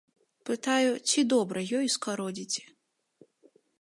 Пытаю, ці добра ёю скародзіць.